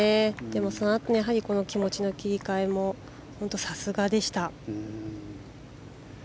でもそのあとに気持ちの切り替えも本当にさすがでした。